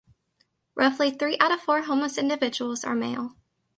Roughly three out of four homeless individuals are male.